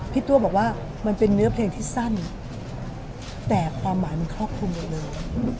ตัวบอกว่ามันเป็นเนื้อเพลงที่สั้นแต่ความหมายมันครอบคลุมหมดเลย